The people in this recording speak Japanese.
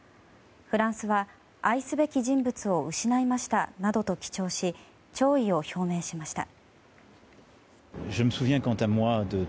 フランスは愛すべき人物を失いましたなどと記帳し弔意を表明しました。